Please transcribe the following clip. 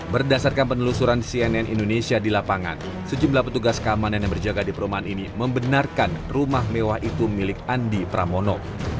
berdasarkan penelusuran cnn indonesia di lapangan sejumlah petugas keamanan yang berjaga di perumahan ini membenarkan rumah mewah itu milik andi pramono